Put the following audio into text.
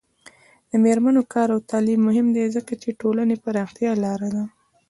د میرمنو کار او تعلیم مهم دی ځکه چې ټولنې پراختیا لاره ده.